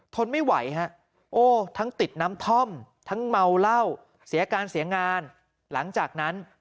ทนไม่ไหวฮะโอ้ทั้งติดน้ำท่อมทั้งเมาเหล้าเสียการเสียงานหลังจากนั้น